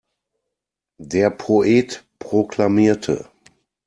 Der Poet proklamierte.